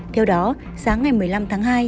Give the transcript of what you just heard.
theo đó sáng ngày một mươi năm tháng hai